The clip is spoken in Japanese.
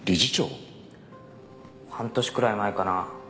半年くらい前かな。